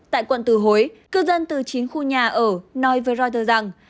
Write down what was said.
tại quận từ hối cư dân từ chín khu nhà ở nói với reuters rằng